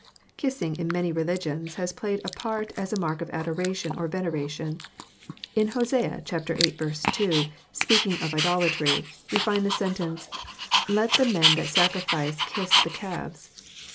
Kissing in many religions has played a part as a mark of adoration or veneration. In Hosea xiii 2, speaking of idolatry, we find the sentence "Let the men that sacrifice kiss the calves."